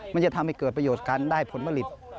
มันจะทำให้เกิดประโยชน์การได้ผลผลิต